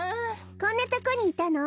こんなとこにいたの？